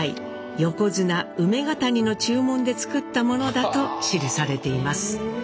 横綱梅ケ谷の注文で作ったものだと記されています。